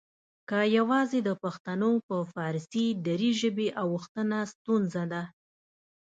که یواځې د پښتنو په فارسي دري ژبې اوښتنه ستونزه ده؟